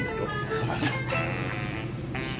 そうなんだ。